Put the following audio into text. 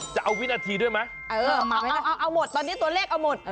จะเอาวินาทีด้วยไหมเออเอาหมดตอนนี้ตัวเลขเอาหมด